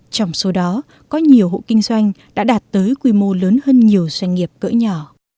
trong số đó có nhiều hộ kinh doanh đã đạt tới quy mô lớn hơn nhiều doanh nghiệp cỡ nhỏ